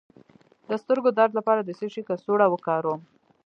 د سترګو درد لپاره د څه شي کڅوړه وکاروم؟